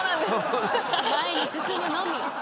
前に進むのみ。